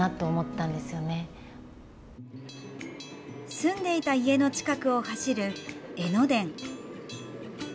住んでいた家の近くを走る江ノ電。